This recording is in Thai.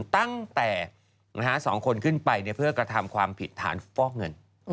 ตั้งแต่๒คนขึ้นไปเพื่อกระทำความผิดฐานฟอกเงิน